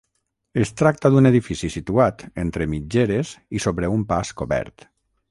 Es tracta d'un edifici situat entre mitgeres i sobre un pas cobert.